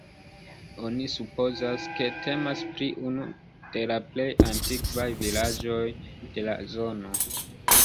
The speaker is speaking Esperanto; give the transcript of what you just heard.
Oni supozas, ke temas pri unu de la plej antikvaj vilaĝoj de la zono.